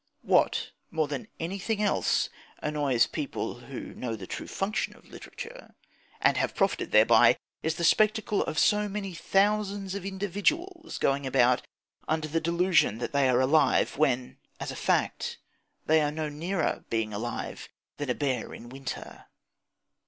What more than anything else annoys people who know the true function of literature, and have profited thereby, is the spectacle of so many thousands of individuals going about under the delusion that they are alive, when, as a fact, they are no nearer being alive than a bear in winter.